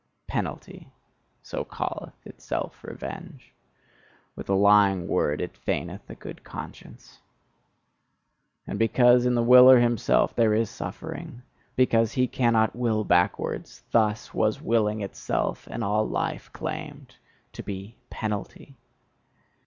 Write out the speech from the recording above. "Penalty," so calleth itself revenge. With a lying word it feigneth a good conscience. And because in the willer himself there is suffering, because he cannot will backwards thus was Willing itself, and all life, claimed to be penalty!